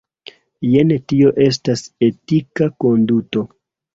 Jen tio estas etika konduto.